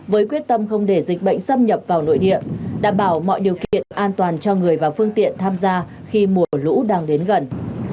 với quyết tâm không để dịch bệnh xâm nhập vào nội địa đảm bảo mọi điều kiện an toàn cho người và phương tiện tham gia khi mùa lũ đang đến gần